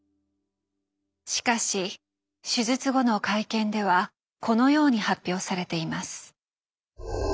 しかし手術後の会見ではこのように発表されています。